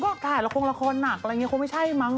ก็ถ่ายละครละครหนักอะไรอย่างนี้คงไม่ใช่มั้ง